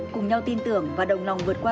cùng nhau tin tưởng và đồng lòng vượt qua